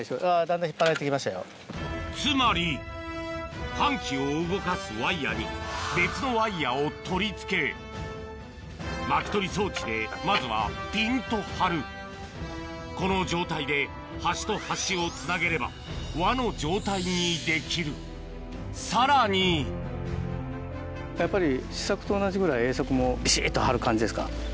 つまり搬器を動かすワイヤに別のワイヤを取り付け巻き取り装置でまずはピンと張るこの状態で端と端をつなげれば輪の状態にできるさらにやっぱり。